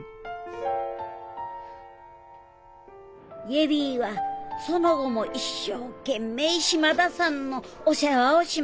恵里はその後も一生懸命島田さんのお世話をしました。